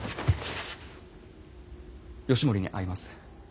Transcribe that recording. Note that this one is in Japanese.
義盛に会います。